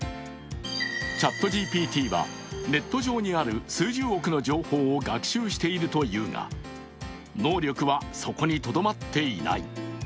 ＣｈａｔＧＰＴはネット上にある数十億の情報を学習しているというが、能力はそこにとどまっていない。